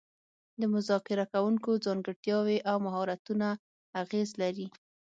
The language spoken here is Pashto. د مذاکره کوونکو ځانګړتیاوې او مهارتونه اغیز لري